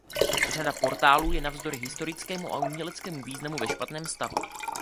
Řada portálů je navzdory historickému a uměleckému významu ve špatném stavu.